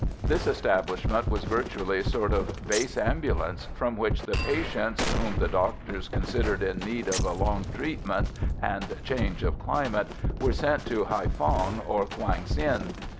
This establishment was virtually a sort of base ambulance, from which the patients, whom the doctors considered in need of a long treatment and change of climate, were sent on to Haïphong or Quang Yen.